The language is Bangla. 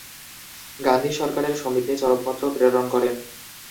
গান্ধী সরকারের সমীপে চরমপত্র প্রেরণ করেন।